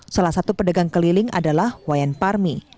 salah satu pedagang keliling adalah wayan parmi